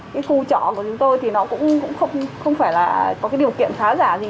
cái khu trọ của chúng tôi thì nó cũng không phải là có cái điều kiện khá giả gì